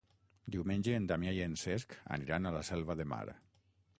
Diumenge en Damià i en Cesc aniran a la Selva de Mar.